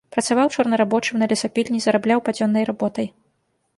Працаваў чорнарабочым на лесапільні, зарабляў падзённай работай.